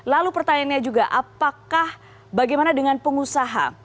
lalu pertanyaannya juga apakah bagaimana dengan pengusaha